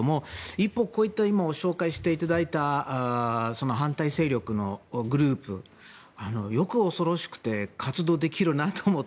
一方こういった今、紹介していただいた反対勢力のグループよく、恐ろしくて活動できるなと思って。